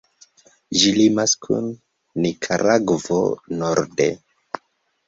Ĝi limas kun Nikaragvo norde.